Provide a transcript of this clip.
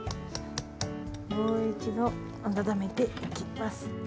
もう一度温めていきます。